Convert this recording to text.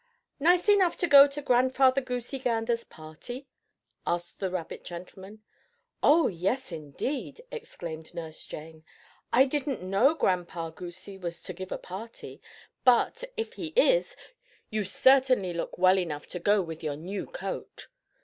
"Nice enough to go to Grandfather Goosey Gander's party?" asked the rabbit gentleman. "Oh, yes, indeed!" exclaimed Nurse Jane. "I didn't know Grandpa Goosey was to give a party, but, if he is, you certainly look well enough to go with your new coat.